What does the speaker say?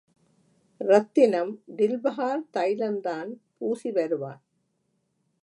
ரத்தினம் டில்பஹார் தைலந்தான் பூசி வருவான்.